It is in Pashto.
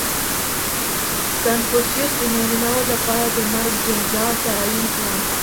• کنفوسیوس د نارینهوو لپاره د مرګ جزا تعیین کړه.